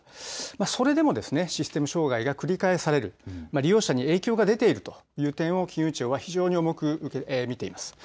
それでもシステム障害が繰り返される、利用者にも影響が出ているという点を金融庁は非常に重く見ています。